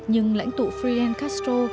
nhưng lãnh tụ fidel castro